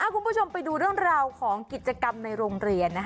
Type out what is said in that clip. คุณผู้ชมไปดูเรื่องราวของกิจกรรมในโรงเรียน